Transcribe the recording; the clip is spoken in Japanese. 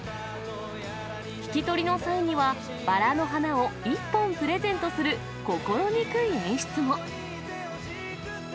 引き取りの際には、バラの花を１本プレゼントする心憎い演出も。